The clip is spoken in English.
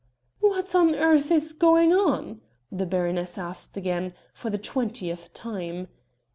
"What on earth is going on?" the baroness asked again, for the twentieth time.